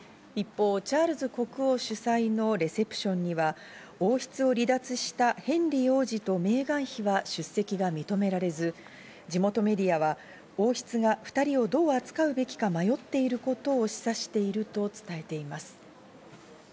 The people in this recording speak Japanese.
一方、チャールズ国王主催のレセプションには王室を離脱したヘンリー王子とメーガン妃は出席が認められず、地元メディアは王室が２人をどう扱うべきか迷っていることを示唆していると伝えています。